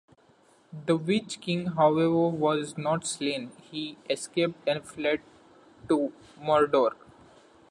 The Witch-king, however, was not slain: he escaped and fled to Mordor.